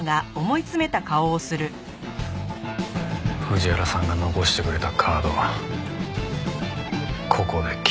藤原さんが残してくれたカードここで切るか。